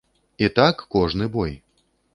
І так кожны бой.